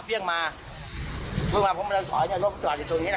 เฟี่ยงมาเพราะเมื่อเราถอยเนี้ยรถก็ต่อจนถึงตรงนี้ล่ะ